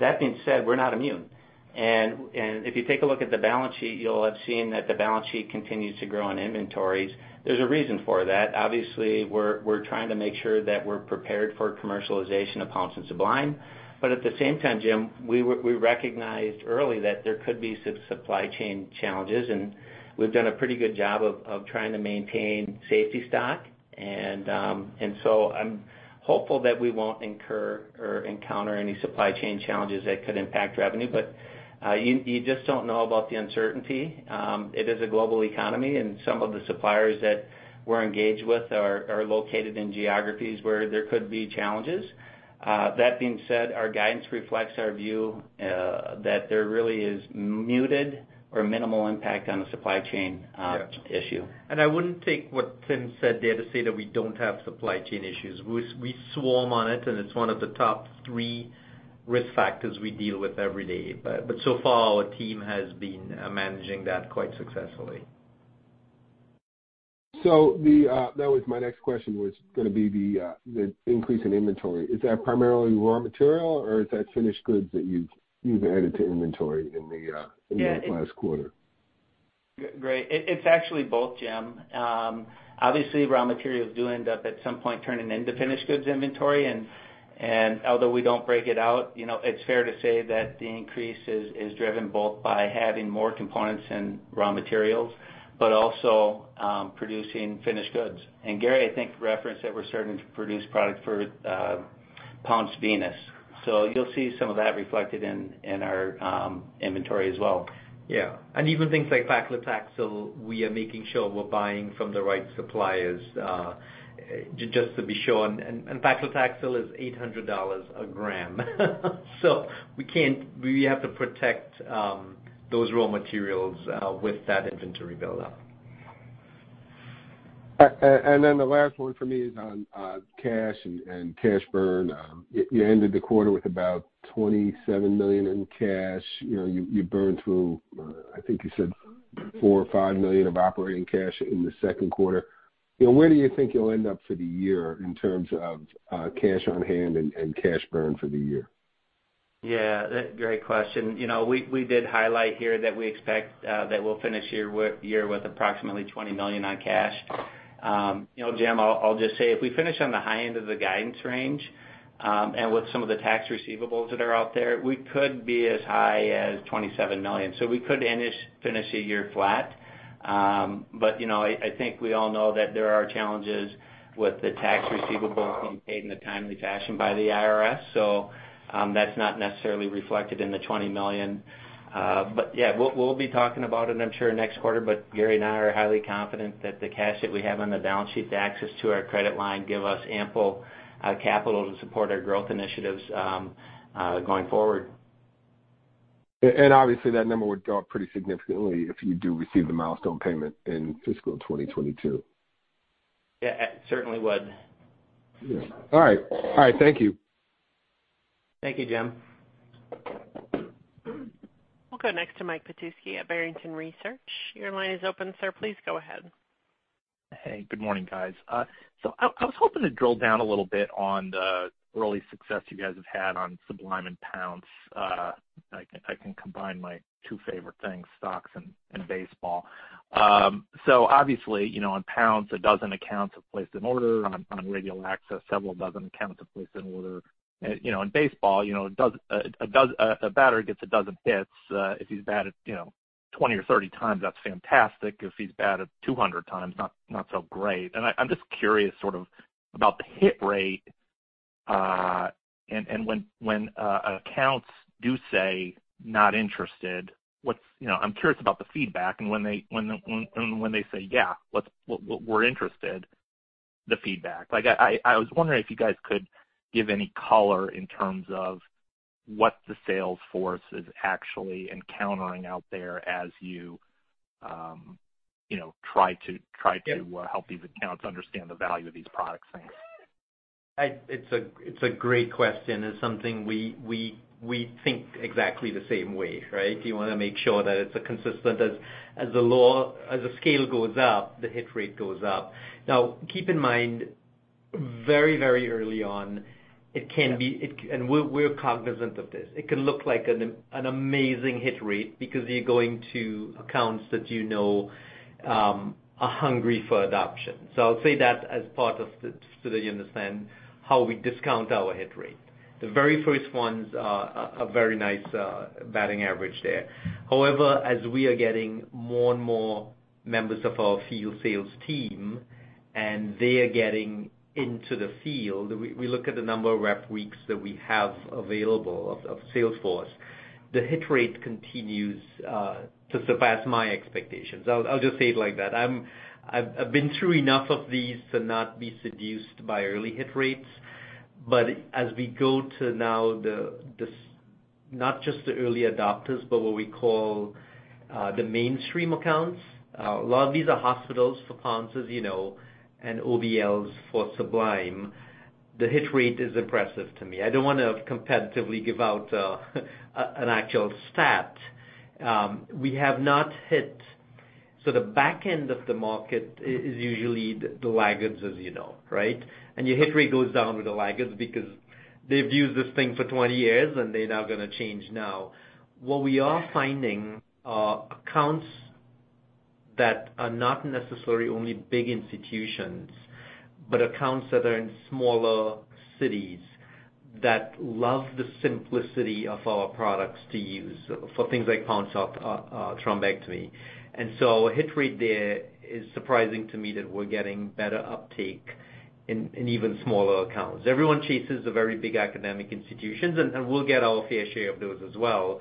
That being said, we're not immune. If you take a look at the balance sheet, you'll have seen that the balance sheet continues to grow in inventories. There's a reason for that. Obviously, we're trying to make sure that we're prepared for commercialization of Pounce and Sublime. At the same time, Jim, we recognized early that there could be some supply chain challenges, and we've done a pretty good job of trying to maintain safety stock. I'm hopeful that we won't incur or encounter any supply chain challenges that could impact revenue. You just don't know about the uncertainty. It is a global economy, and some of the suppliers that we're engaged with are located in geographies where there could be challenges. That being said, our guidance reflects our view that there really is muted or minimal impact on the supply chain. Yeah Issue. I wouldn't take what Tim said there to say that we don't have supply chain issues. We swarm on it, and it's one of the top three risk factors we deal with every day. So far, our team has been managing that quite successfully. That was my next question, was gonna be the increase in inventory. Is that primarily raw material, or is that finished goods that you've added to inventory in the? Yeah in the last quarter? Great. It's actually both, Jim. Obviously, raw materials do end up at some point turning into finished goods inventory. Although we don't break it out, you know, it's fair to say that the increase is driven both by having more components and raw materials, but also producing finished goods. Gary, I think, referenced that we're starting to produce products for Pounce Venous. So you'll see some of that reflected in our inventory as well. Yeah. Even things like paclitaxel, we are making sure we're buying from the right suppliers, just to be sure. Paclitaxel is $800 a gram. We have to protect those raw materials with that inventory buildup. The last one for me is on cash and cash burn. You ended the quarter with about $27 million in cash. You know, you burned through, I think you said $4 million or $5 million of operating cash in the second quarter. You know, where do you think you'll end up for the year in terms of cash on hand and cash burn for the year? Yeah. Great question. You know, we did highlight here that we expect that we'll finish the year with approximately $20 million in cash. You know, Jim, I'll just say, if we finish on the high end of the guidance range, and with some of the tax receivables that are out there, we could be as high as $27 million. We could finish the year flat. You know, I think we all know that there are challenges with the tax receivables being paid in a timely fashion by the IRS. That's not necessarily reflected in the $20 million. Yeah, we'll be talking about it, I'm sure, next quarter. Gary and I are highly confident that the cash that we have on the balance sheet, the access to our credit line give us ample capital to support our growth initiatives going forward. Obviously, that number would go up pretty significantly if you do receive the milestone payment in fiscal 2022. Yeah. It certainly would. Yeah. All right. Thank you. Thank you, Jim. We'll go next to Michael Petusky at Barrington Research. Your line is open, sir. Please go ahead. Hey. Good morning, guys. I was hoping to drill down a little bit on the early success you guys have had on Sublime and Pounce. I can combine my two favorite things, stocks and baseball. Obviously, you know, on Pounce, a dozen accounts have placed an order. On radial access, several dozen accounts have placed an order. You know, in baseball, you know, a batter gets a dozen hits. If he's batted, you know, 20 or 30 times, that's fantastic. If he's batted 200 times, not so great. I'm just curious sort of about the hit rate. When accounts do say not interested, what's? You know, I'm curious about the feedback and when they say, "Yeah, we're interested," the feedback. Like, I was wondering if you guys could give any color in terms of what the sales force is actually encountering out there as you know, try to. Yeah Help these accounts understand the value of these products. Thanks. It's a great question. It's something we think exactly the same way, right? You wanna make sure that it's as consistent as the scale goes up, the hit rate goes up. Now, keep in mind, very early on, it can be. Yeah We're cognizant of this. It can look like an amazing hit rate because you're going to accounts that you know are hungry for adoption. I'll say that so that you understand how we discount our hit rate. The very first ones are a very nice batting average there. However, as we are getting more and more members of our field sales team, and they are getting into the field, we look at the number of rep weeks that we have available of sales force. The hit rate continues to surpass my expectations. I'll just say it like that. I've been through enough of these to not be seduced by early hit rates. As we go to now not just the early adopters, but what we call the mainstream accounts, a lot of these are hospitals for Pounce, as you know, and OBLs for Sublime. The hit rate is impressive to me. I don't wanna competitively give out an actual stat. So the back end of the market is usually the laggards, as you know, right? Your hit rate goes down with the laggards because they've used this thing for 20 years, and they're not gonna change now. What we are finding are accounts that are not necessarily only big institutions, but accounts that are in smaller cities that love the simplicity of our products to use for things like Pounce thrombectomy. Hit rate there is surprising to me that we're getting better uptake in even smaller accounts. Everyone chases the very big academic institutions, and we'll get our fair share of those as well.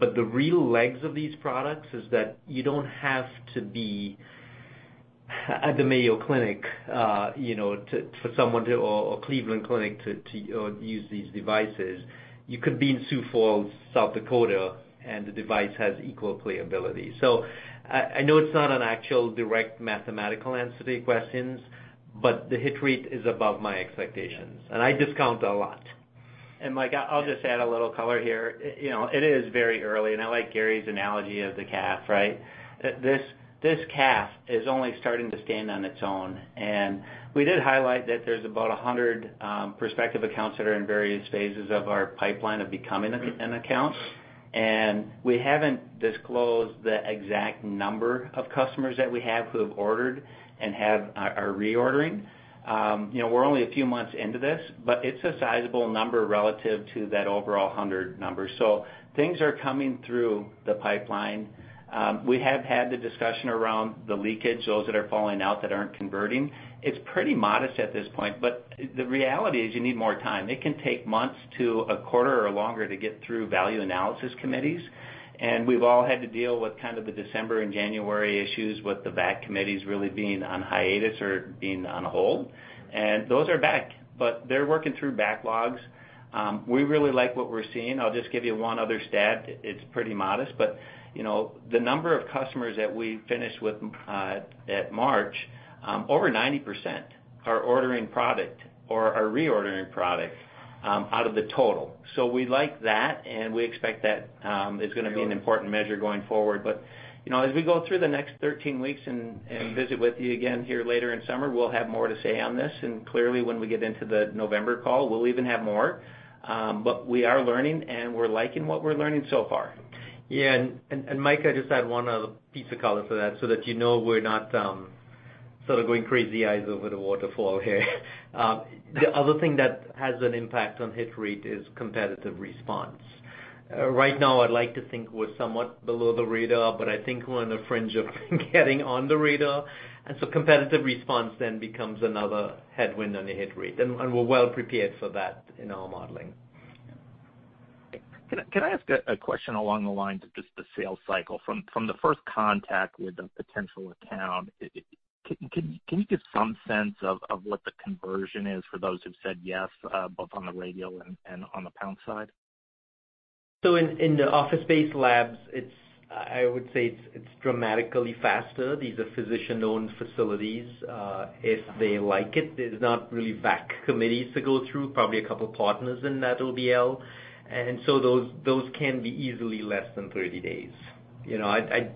The real legs of these products is that you don't have to be at the Mayo Clinic or Cleveland Clinic to use these devices. You could be in Sioux Falls, South Dakota, and the device has equal playability. I know it's not an actual direct mathematical answer to your questions, but the hit rate is above my expectations, and I discount a lot. Mike, I'll just add a little color here. You know, it is very early, and I like Gary's analogy of the calf, right? This calf is only starting to stand on its own. We did highlight that there's about 100 prospective accounts that are in various phases of our pipeline of becoming an account. We haven't disclosed the exact number of customers that we have who have ordered and are reordering. You know, we're only a few months into this, but it's a sizable number relative to that overall 100 number. Things are coming through the pipeline. We have had the discussion around the leakage, those that are falling out that aren't converting. It's pretty modest at this point, but the reality is you need more time. It can take months to a quarter or longer to get through value analysis committees. We've all had to deal with kind of the December and January issues with the VAC committees really being on hiatus or being on hold. Those are back, but they're working through backlogs. We really like what we're seeing. I'll just give you one other stat. It's pretty modest, but, you know, the number of customers that we finished with, at March, over 90% are ordering product or are reordering product out of the total. So we like that, and we expect that is gonna be an important measure going forward. You know, as we go through the next 13 weeks and visit with you again here later in summer, we'll have more to say on this. Clearly, when we get into the November call, we'll even have more. We are learning, and we're liking what we're learning so far. Yeah. Mike, I just had one other piece of color for that so that you know we're not sort of going crazy eyes over the waterfall here. The other thing that has an impact on hit rate is competitive response. Right now, I'd like to think we're somewhat below the radar, but I think we're on the fringe of getting on the radar. We're well prepared for that in our modeling. Can I ask a question along the lines of just the sales cycle? From the first contact with a potential account, can you give some sense of what the conversion is for those who've said yes, both on the radial and on the Pounce side? In the office-based labs, I would say it's dramatically faster. These are physician-owned facilities. If they like it, there's not really VAC committees to go through, probably a couple partners in that OBL. Those can be easily less than 30 days. You know, I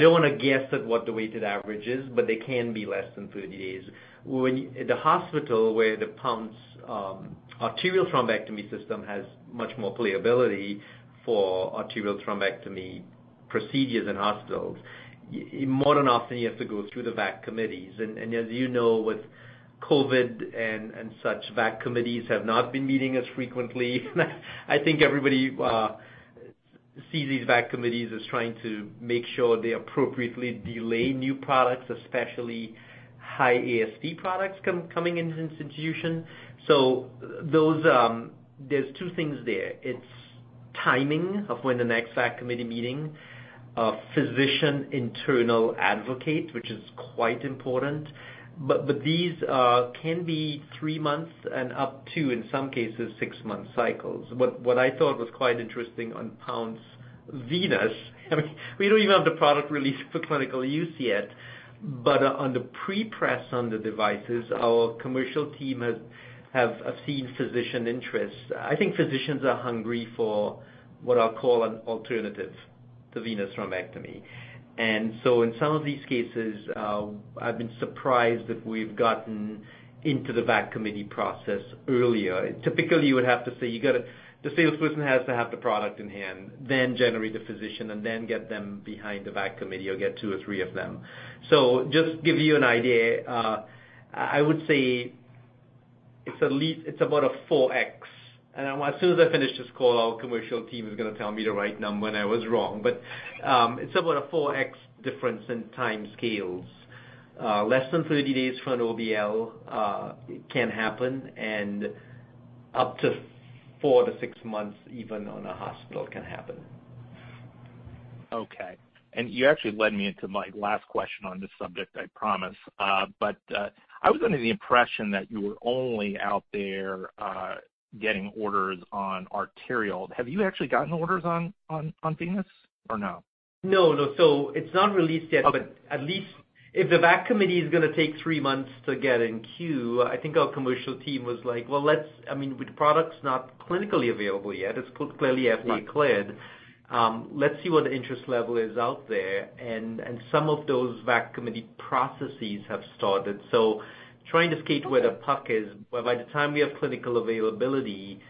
don't wanna guess at what the weighted average is, but they can be less than 30 days. In the hospital where the Pounce arterial thrombectomy system has much more playability for arterial thrombectomy procedures in hospitals, you more often have to go through the VAC committees. As you know, with COVID and such, VAC committees have not been meeting as frequently. I think everybody sees these VAC committees as trying to make sure they appropriately delay new products, especially high-ASP products coming into the institution. Those, there's two things there. It's timing of when the next VAC committee meeting, a physician internal advocate, which is quite important. But these can be three months and up to, in some cases, six-month cycles. But what I thought was quite interesting on Pounce Venous, I mean, we don't even have the product released for clinical use yet, but on the pre-launch on the devices, our commercial team has seen physician interest. I think physicians are hungry for what I'll call an alternative to venous thrombectomy. In some of these cases, I've been surprised that we've gotten into the VAC committee process earlier. Typically, you would have to say the salesperson has to have the product in hand, then engage the physician, and then get them behind the VAC committee or get two or three of them. Just to give you an idea, I would say it's about a 4x. As soon as I finish this call, our commercial team is gonna tell me the right number, and I was wrong. It's about a 4x difference in timescales. Less than 30 days for an OBL can happen, and up to four to six months even on a hospital can happen. Okay. You actually led me into my last question on this subject, I promise. I was under the impression that you were only out there getting orders on arterial. Have you actually gotten orders on Venous or no? No, no. It's not released yet. Okay. At least if the VAC committee is gonna take three months to get in queue, I think our commercial team was like, well, I mean, with products not clinically available yet, it's clearly FDA cleared. Right. Let's see what the interest level is out there, and some of those VAC committee processes have started. Trying to skate where the puck is, where by the time we have clinical availability,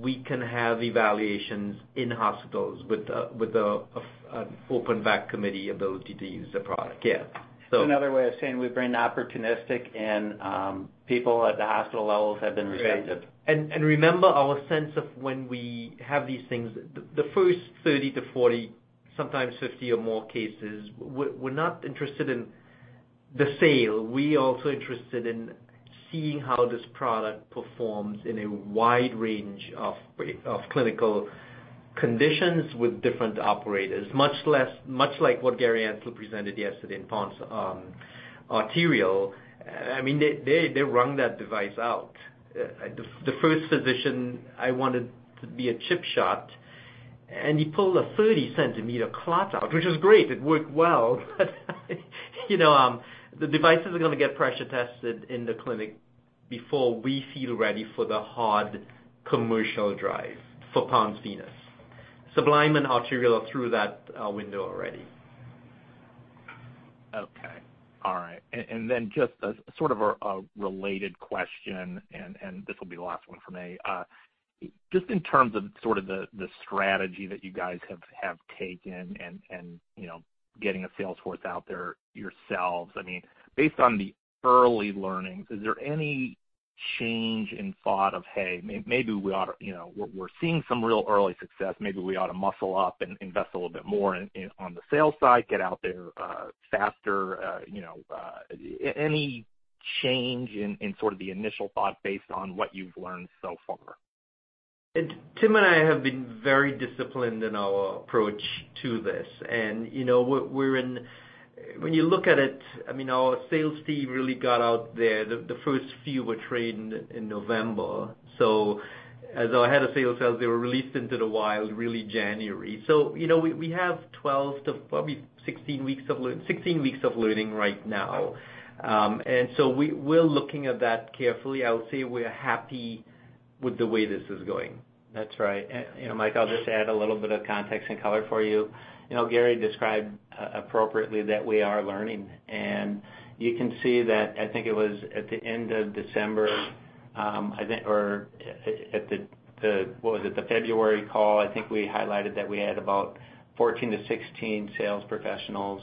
we can have evaluations in hospitals with an open VAC committee ability to use the product, yeah. It's another way of saying we've been opportunistic and, people at the hospital levels have been receptive. Right. Remember our sense of when we have these things, the first 30-40, sometimes 50 or more cases, we're not interested in the sale. We're also interested in seeing how this product performs in a wide range of clinical conditions with different operators, much like what Gary Ansel presented yesterday in Pounce arterial. I mean, they wrung that device out. The first physician I wanted to be a chip shot, and he pulled a 30-cm clot out, which is great. It worked well. You know, the devices are gonna get pressure tested in the clinic before we feel ready for the hard commercial drive for Pounce Venous. Sublime and arterial are through that window already. Okay. All right. Then just as sort of a related question, and this will be the last one from me. Just in terms of sort of the strategy that you guys have taken and, you know, getting a sales force out there yourselves. I mean, based on the early learnings, is there any change in thought of, hey, maybe we ought, you know, we're seeing some real early success. Maybe we ought to muscle up and invest a little bit more in on the sales side, get out there faster. You know, any change in sort of the initial thought based on what you've learned so far? Tim and I have been very disciplined in our approach to this. You know, when you look at it, I mean, our sales team really got out there. The first few were trained in November. As our head of sales says, they were released into the wild really January. You know, we have 12 to probably 16 weeks of learning right now. We're looking at that carefully. I'll say we're happy with the way this is going. That's right. You know, Mike, I'll just add a little bit of context and color for you. You know, Gary described appropriately that we are learning, and you can see that I think it was at the end of December or at the February call. I think we highlighted that we had about 14-16 sales professionals,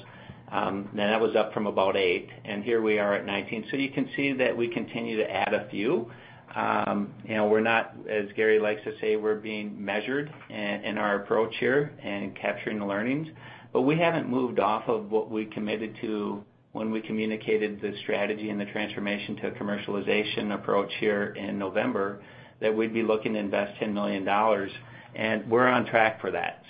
and that was up from about eight, and here we are at 19. You can see that we continue to add a few. You know, we're not, as Gary likes to say, we're being measured in our approach here in capturing the learnings. We haven't moved off of what we committed to when we communicated the strategy and the transformation to a commercialization approach here in November, that we'd be looking to invest $10 million, and we're on track for that.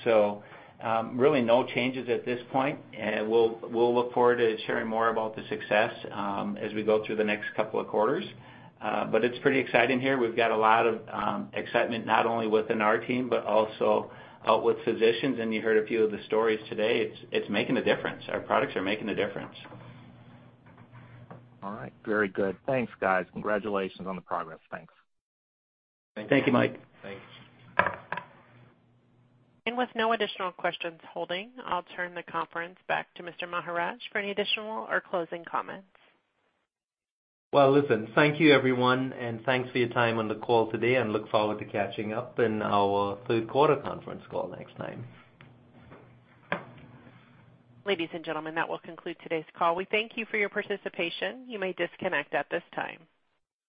Really no changes at this point, and we'll look forward to sharing more about the success as we go through the next couple of quarters. It's pretty exciting here. We've got a lot of excitement not only within our team, but also out with physicians, and you heard a few of the stories today. It's making a difference. Our products are making a difference. All right. Very good. Thanks, guys. Congratulations on the progress. Thanks. Thank you. Thank you, Mike. Thanks. With no additional questions holding, I'll turn the conference back to Mr. Maharaj for any additional or closing comments. Well, listen. Thank you, everyone, and thanks for your time on the call today, and look forward to catching up in our third quarter conference call next time. Ladies and gentlemen, that will conclude today's call. We thank you for your participation. You may disconnect at this time.